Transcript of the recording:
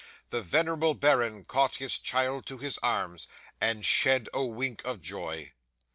The venerable baron caught his child to his arms, and shed a wink of joy.